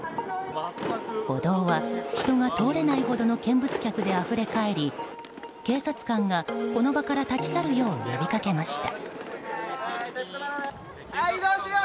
歩道は、人が通れないほどの見物客であふれ返り警察官がこの場から立ち去るよう呼びかけました。